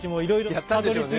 やったんでしょうね。